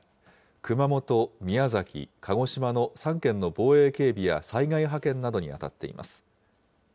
熊本、宮崎、鹿児島の３県の防衛警備や災害派遣などに当たっています。